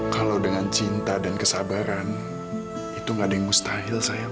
kalau dengan cinta dan kesabaran itu gak ada yang mustahil saya